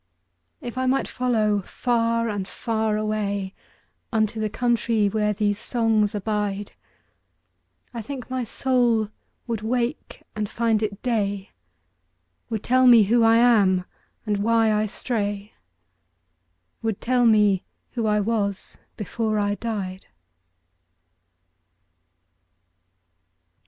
If I might follow far and far awayUnto the country where these songs abide,I think my soul would wake and find it day, Would tell me who I am, and why I stray,—Would tell me who I was before I died.